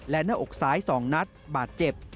และหน้าอกซ้าย๒นัดบาดเจ็บ